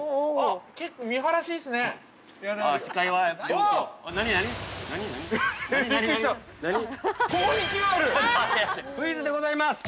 ◆結構、見晴らしいいっすね。